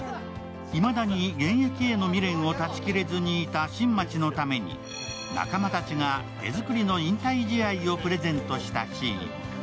いまだに現役への未練を断ち切れずにいた新町のために仲間たちが手作りの引退試合をプレゼントしたシーン。